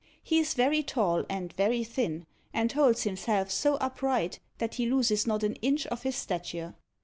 He is very tall and very thin, and holds himself so upright that he loses not an inch of his stature.